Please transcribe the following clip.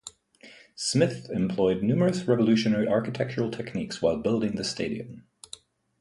Smith employed numerous revolutionary architectural techniques while building the stadium.